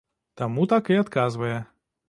Таму так і адказвае.